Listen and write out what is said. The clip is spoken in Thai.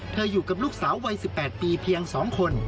อยู่กับลูกสาววัย๑๘ปีเพียง๒คน